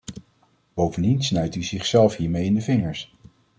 Bovendien snijdt u zichzelf hiermee in de vingers.